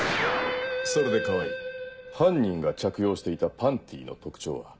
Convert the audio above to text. それで川合犯人が着用していたパンティの特徴は？